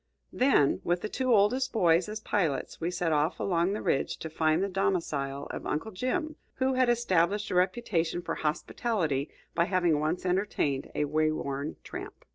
Then, with the two oldest boys as pilots, we set off along the ridge to find the domicile of Uncle Jim, who had established a reputation for hospitality by having once entertained a way worn tramp.